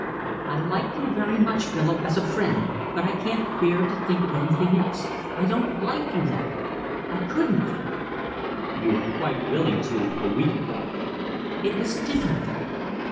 "I like you very much, Philip, as a friend. But I can't bear to think of anything else. I don't like you that way. I couldn't, Philip." "You were quite willing to a week ago." "It was different then."